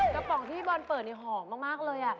ปองที่บอลเปิดนี่หอมมากเลย